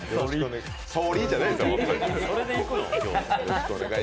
ソーリーじゃないですよ、本当に。